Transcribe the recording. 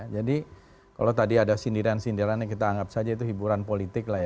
jadi kalau tadi ada sindiran sindiran yang kita anggap saja itu hiburan politik lah ya